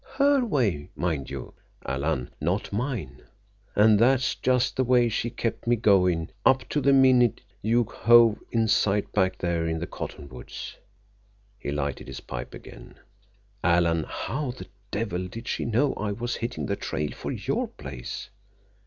Her way, mind you, Alan, not mine. And that's just the way she's kept me goin' up to the minute you hove in sight back there in the cottonwoods!" He lighted his pipe again. "Alan, how the devil did she know I was hitting the trail for your place?"